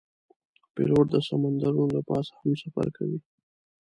پیلوټ د سمندرونو له پاسه هم سفر کوي.